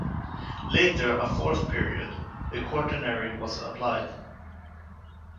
Later a fourth period, the Quaternary, was applied.